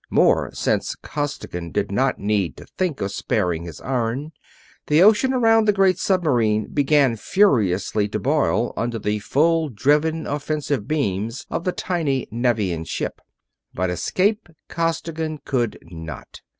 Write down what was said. More since Costigan did not need to think of sparing his iron, the ocean around the great submarine began furiously to boil under the full driven offensive beams of the tiny Nevian ship. But escape Costigan could not.